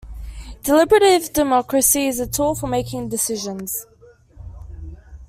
Deliberative Democracy is a tool for making decisions.